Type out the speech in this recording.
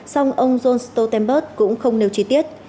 song ông jens stoltenberg cũng không nêu chi tiết